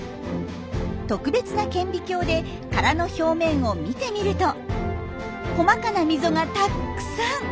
特別な顕微鏡で殻の表面を見てみると細かな溝がたくさん。